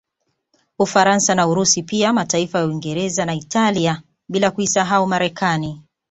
Ufaransa na Urusi pia mataifa ya Uingereza na Italia bila kuisahau Marekani